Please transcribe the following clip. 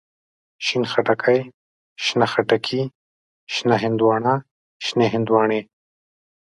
شين خټکی، شنه خټکي، شنه هندواڼه، شنې هندواڼی.